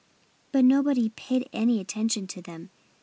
But nobody paid any attention to them.